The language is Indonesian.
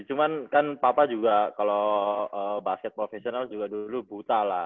cuman kan papa juga kalau basket profesional juga dulu buta lah